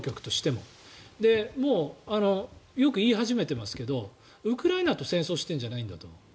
もうよく言い始めていますがウクライナと戦争してるんじゃないんだと。